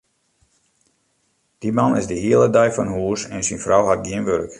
Dy man is de hiele dei fan hûs en syn frou hat gjin wurk.